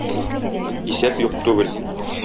Исәп юк түгел.